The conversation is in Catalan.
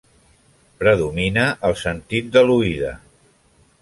Predomina el sentit de l'oïda.